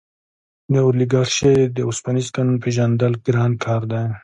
د اولیګارشۍ د اوسپنیز قانون پېژندل ګران کار دی.